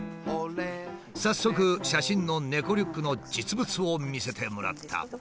早速写真の猫リュックの実物を見せてもらった。